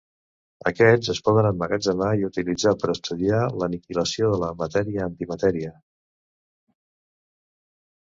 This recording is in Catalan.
Aquests es poden emmagatzemar i utilitzar per estudiar l'aniquilació de la matèria-antimatèria.